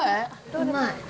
うまい。